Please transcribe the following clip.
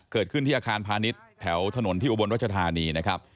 เกิดขึ้นที่อาคารพาณิชย์แถวถนนที่อุบลรัชธานีนะครับ